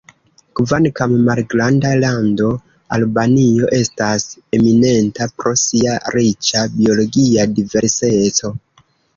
Kvankam malgranda lando, Albanio estas eminenta pro sia riĉa biologia diverseco.